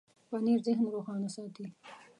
پنېر ذهن روښانه ساتي.